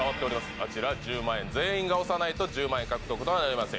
あちら「１０００００えん」全員が押さないと１０万円獲得とはなりません